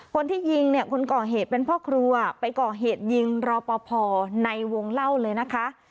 คนที่ยิงเนี่ยคนก่อเหตุเป็นพ่อครัวไปก่อเหตุยิงรอปภในวงเล่าเลยนะคะ